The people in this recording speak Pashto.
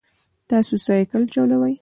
تاسو سایکل چلوئ؟